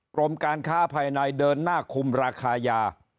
กรมการค้าภายในเดินหน้าคุมราคายา